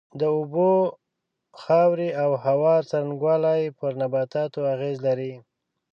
د اوبو، خاورې او هوا څرنگوالی پر نباتاتو اغېز لري.